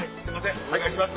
お願いします。